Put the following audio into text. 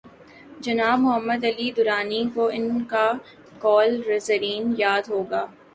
جناب محمد علی درانی کوان کا قول زریں یاد ہو گا۔